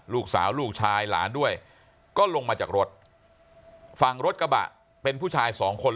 ลูกสาวลูกชายหลานด้วยก็ลงมาจากรถฝั่งรถกระบะเป็นผู้ชายสองคน